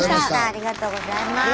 ありがとうございます。